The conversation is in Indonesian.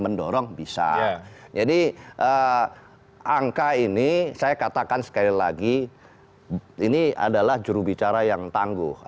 mendorong bisa jadi angka ini saya katakan sekali lagi ini adalah jurubicara yang tangguh